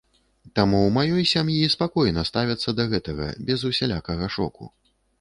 Таму ў маёй сям'і спакойна ставяцца да гэтага, без усялякага шоку.